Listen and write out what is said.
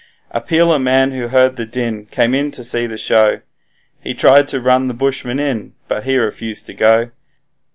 A peeler man who heard the din came in to see the show; He tried to run the bushman in, but he refused to go.